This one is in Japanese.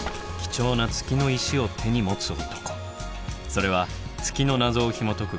それは月の謎をひもとく